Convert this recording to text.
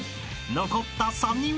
［残った３人は？］